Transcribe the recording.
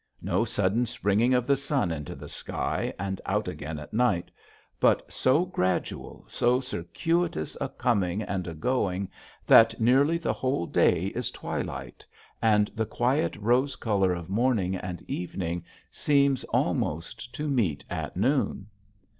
No sudden springing of the sun into the sky and out again at night; but so gradual, so circuitous a coming and a going that nearly the whole day is twilight and the quiet rose color of morning and evening seems almost to meet at noon.